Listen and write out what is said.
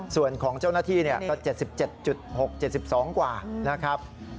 ส่วนของเจ้าหน้าที่ก็๗๗๖๗๒กว่านะครับ